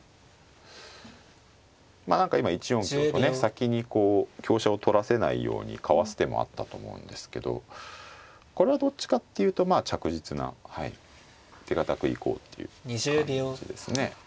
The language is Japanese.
まあ何か今１四香とね先にこう香車を取らせないようにかわす手もあったと思うんですけどこれはどっちかっていうと着実なはい手堅く行こうっていう感じですね。